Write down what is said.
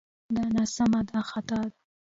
دا ناسمه دا خطا ده